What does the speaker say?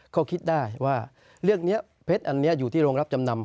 เขาคิดได้ว่าเรื่องนี้เพชรอันนี้อยู่ที่โรงรับจำนำ